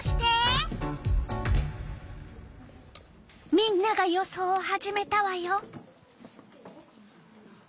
みんなが予想を始めたわよ！